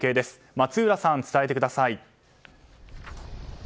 松浦さん、伝えてください。